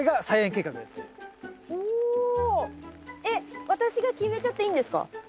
えっ私が決めちゃっていいんですか？